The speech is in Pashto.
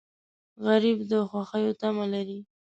غریب د خوښیو تمه لري